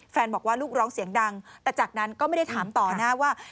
บอกว่าลูกร้องเสียงดังแต่จากนั้นก็ไม่ได้ถามต่อนะว่า